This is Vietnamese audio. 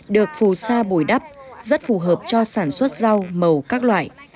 được phù sa bồi đắp rất phù hợp cho sản xuất rau màu các loại